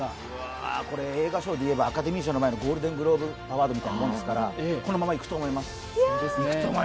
これ、映画賞でいうとアカデミー賞の前のゴールデングローブアワードみたいなものですからこのままいくと思います。